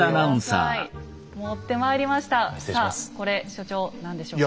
さあこれ所長何でしょうか？